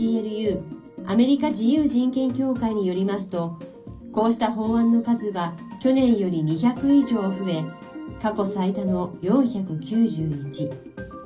＝アメリカ自由人権協会によりますとこうした法案の数は去年より２００以上増え過去最多の４９１。